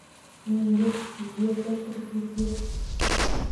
Menga yerda tiriklik yo’q